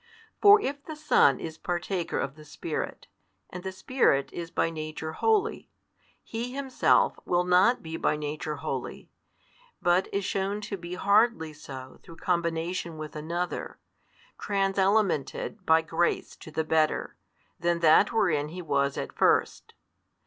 For if the Son is partaker of the Spirit, and the Spirit is by Nature holy, He Himself will not be by Nature holy, but is shewn to be hardly so through combination with another, transelemented by grace to the better, than that wherein He was at first.